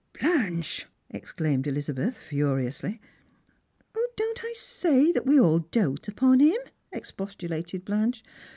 " Blanche !" exclaimed Elizabeth furiously. " Don't I say that we all doat upon him P " expostulated Blanche.